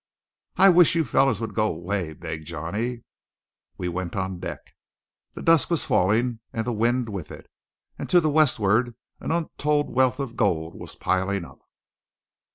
"I wish you fellows would go away," begged Johnny. We went on deck. The dusk was falling, and the wind with it; and to westward an untold wealth of gold was piling up.